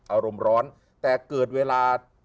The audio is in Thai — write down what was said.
อารมณ์ร้อนแต่เกิดเวลา